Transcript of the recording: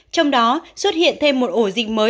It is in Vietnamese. trong đó xuất hiện thêm một ổ dịch mới